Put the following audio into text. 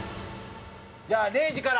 じゃあ礼二から。